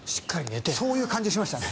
そういう感じがしましたね